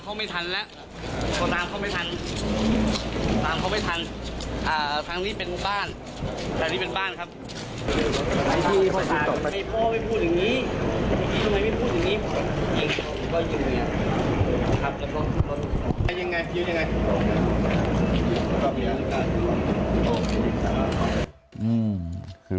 ครั้งนี้เป็นบ้านครับ